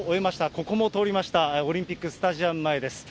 ここも通りました、オリンピックスタジアム前です。